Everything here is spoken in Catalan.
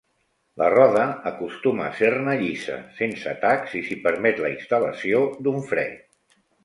La roda acostuma a ser-ne llisa, sense tacs, i s'hi permet la instal·lació d'un fre.